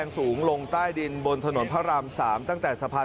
เนื่องจากว่าผมพลาดออกมาอย่างน้อย